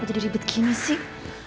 kenapa jadi begini sih